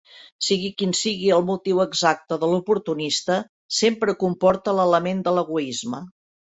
Sigui quin sigui el motiu exacte de l'oportunista, sempre comporta l'element de l'egoisme.